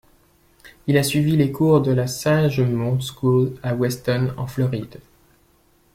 Il a suivi les cours de la Sagemount School à Weston, en Floride.